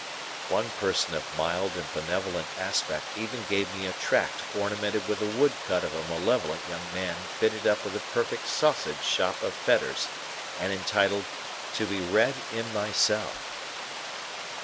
One person of mild and benevolent aspect even gave me a tract ornamented with a woodcut of a malevolent young man fitted up with a perfect sausage shop of fetters, and entitled TO BE READ IN MY CELL.